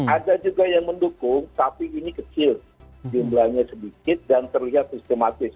ada juga yang mendukung tapi ini kecil jumlahnya sedikit dan terlihat sistematis